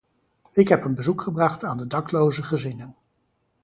Ik heb een bezoek gebracht aan de dakloze gezinnen.